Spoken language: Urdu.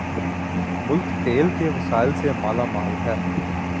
ملک تیل کے وسائل سے مالا مال ہے